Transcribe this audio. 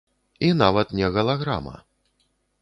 І нават не галаграма.